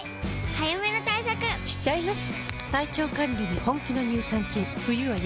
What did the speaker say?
早めの対策しちゃいます。